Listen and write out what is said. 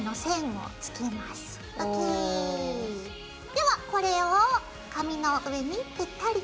ではこれを紙の上にぴったりと。